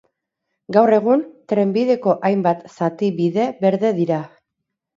Gaur egun, trenbideko hainbat zati bide berde dira.